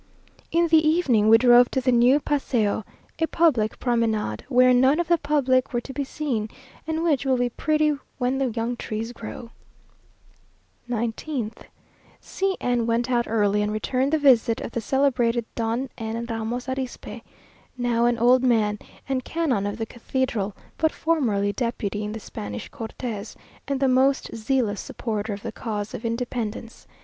In the evening we drove to the new paseo, a public promenade, where none of the public were to be seen, and which will be pretty when the young trees grow. 19th. C n went out early, and returned the visit of the celebrated Don N. Ramos Arispe, now an old man, and canon of the cathedral, but formerly deputy in the Spanish Cortes, and the most zealous supporter of the cause of independence.